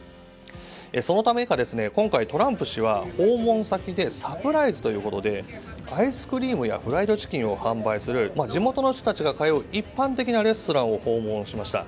そのためか、今回、トランプ氏は訪問先でサプライズということでアイスクリームやフライドチキンを販売する地元の人たちが通う一般的なレストランを訪問しました。